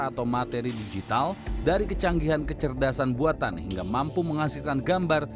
atau materi digital dari kecanggihan kecerdasan buatan hingga mampu menghasilkan gambar